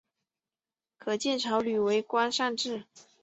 可见曹摅为官善治。